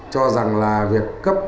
cho rằng là việc cấp